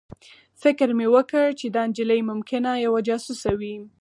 فکر مې وکړ چې دا نجلۍ ممکنه یوه جاسوسه وي